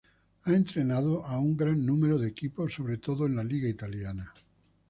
Ha entrenado a un gran número de equipos, sobre todo en la liga italiana.